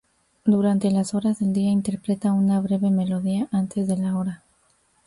Durante las horas del día interpreta una breve melodía antes de la hora.